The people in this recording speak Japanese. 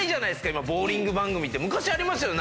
今ボウリング番組昔ありましたよね